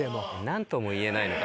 何とも言えないのが